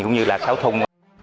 như là cáo thung